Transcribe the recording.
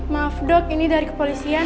maaf dok ini dari kepolisian